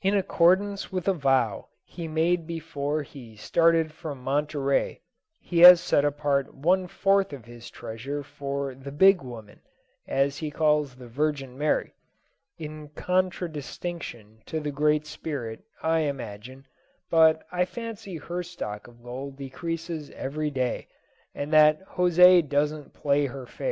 In accordance with a vow he made before he started from Monterey, he has set apart one fourth of his treasure for the Big Woman, as he calls the Virgin Mary in contradistinction to the Great Spirit, I imagine; but I fancy her stock of gold decreases every day, and that José doesn't play her fair.